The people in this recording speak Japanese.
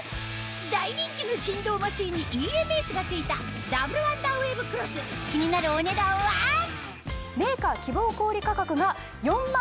大人気の振動マシンにＥＭＳが付いたダブルワンダーウェーブクロス気になるお値段は？え！